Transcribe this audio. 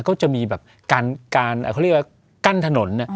ก็จะมีแบบการเขาเรียกว่ากั้นถนน